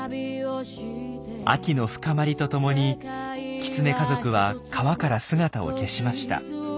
秋の深まりとともにキツネ家族は川から姿を消しました。